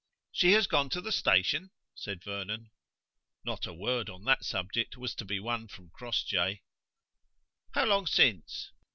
"She has gone to the station?" said Vernon. Not a word on that subject was to be won from Crossjay. "How long since?"